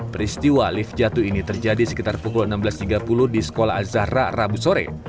peristiwa lift jatuh ini terjadi sekitar pukul enam belas tiga puluh di sekolah azhar